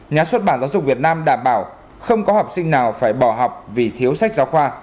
nhà xuất bản giáo dục việt nam đảm bảo không có học sinh nào phải bỏ học vì thiếu sách giáo khoa